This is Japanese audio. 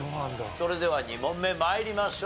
それでは２問目参りましょう。